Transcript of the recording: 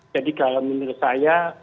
jadi kalau menurut saya